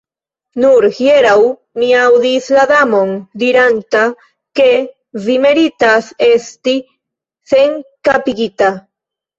Nur hieraŭ mi aŭdis la Damon diranta ke vi meritas esti senkapigita.